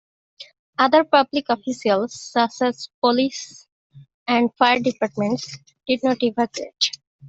Other public officials, such as police and fire departments, did not evacuate.